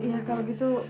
ya kalau gitu